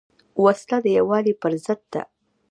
وسله د یووالي پر ضد ده